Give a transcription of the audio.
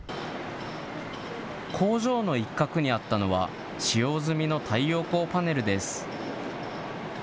工場の一角にあったのは、使用済みの太陽光パネルです。